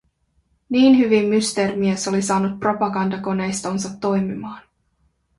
Niin hyvin Mysteerimies oli saanut propagandakoneistonsa toimimaan.